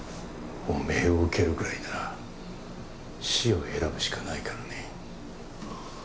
汚名を受けるくらいなら死を選ぶしかないからね。